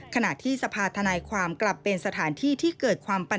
ขณะที่สภาธนายความกลับเป็นสถานที่ที่เกิดความปัน